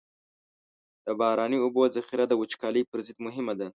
د باراني اوبو ذخیره د وچکالۍ پر ضد مهمه ده.